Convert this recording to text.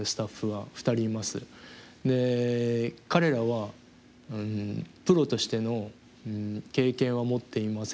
彼らはプロとしての経験は持っていません。